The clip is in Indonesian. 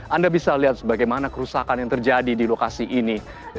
anda bisa lihat bagaimana kerusakan yang terjadi di lokasi ini